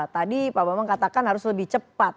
tadi pak bambang katakan harus lebih cepat